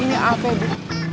ini apa bu